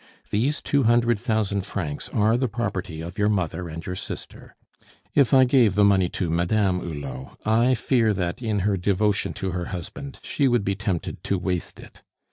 These two hundred thousand francs are the property of your mother and your sister. If I gave the money to Madame Hulot, I fear that, in her devotion to her husband, she would be tempted to waste it.